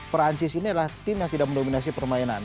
perancis ini adalah tim yang tidak mendominasi permainan